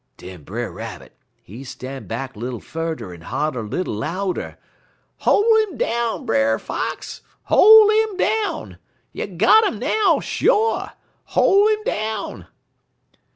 "Den Brer Rabbit, he stan' back little furder en holler little louder: "'Hol' 'im down, Brer Fox! Hol' 'im down! You got 'im now, sho'! Hol' 'im down!'